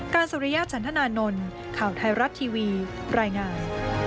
สุริยะฉันธนานนท์ข่าวไทยรัฐทีวีรายงาน